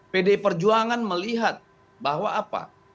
pdi perjuangan melihat bahwa apa